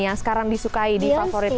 yang sekarang disukai di favorit